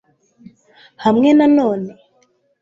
hamwe na none